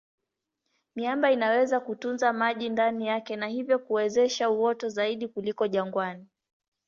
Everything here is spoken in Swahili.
Miamba inaweza kutunza maji ndani yake na hivyo kuwezesha uoto zaidi kuliko jangwani.